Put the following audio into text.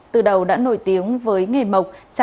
từ đầu đã nổi tiếng với nghề mộc